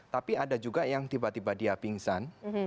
tapi ada juga yang tiba tiba dia pingsan